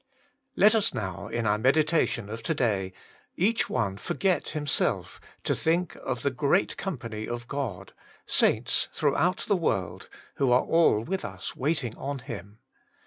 LET us now, in our meditation of to day, each one forget himself, to think of the great company of God, saints throughout the world, who are all with us waiting on Him.